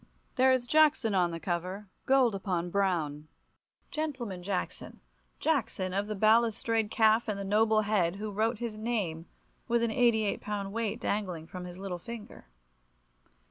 There is Jackson on the cover, gold upon brown, "gentleman Jackson," Jackson of the balustrade calf and the noble head, who wrote his name with an 88 pound weight dangling from his little finger.